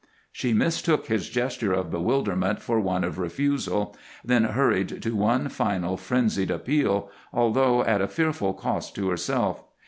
She mistook his gesture of bewilderment for one of refusal, then hurried to one final, frenzied appeal, although at a fearful cost to herself.